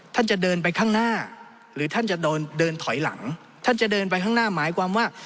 ท่านจะเดินไปข้างหน้าหรือท่านจะเดินเดินถอยหลังท่านจะเดินไปข้างหน้าหมายความว่า